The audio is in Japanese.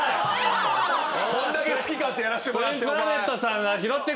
こんだけ好き勝手やらしてもらってお前。